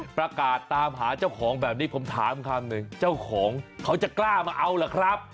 ประกาศตามหาเจ้าของแบบนี้ผมถามคำหนึ่งเจ้าของเขาจะกล้ามาเอาเหรอครับ